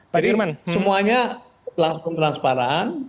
jadi semuanya langsung transparan